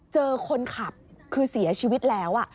เจอคนขับคือเสียชีวิตแล้ว